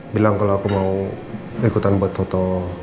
bilang kalau aku mau ikutan buat foto